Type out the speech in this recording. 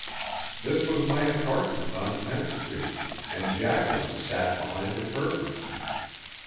This was my apartment on Tenth Street, and Jacqueline sat behind the curtains.